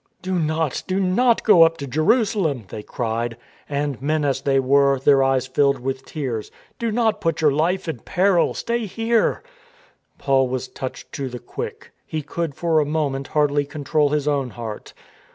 " Do not, do not go up to Jerusalem !" they cried, and, men as they were, their eyes filled with tears. "Do not put your life in peril! Stay here." Paul was touched to the quick. He could for a moment hardly control his own heart.